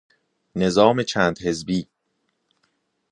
نظام چند حزبی